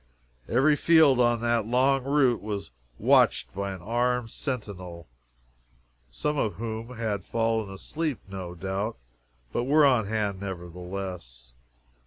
Every field on that long route was watched by an armed sentinel, some of whom had fallen asleep, no doubt, but were on hand, nevertheless.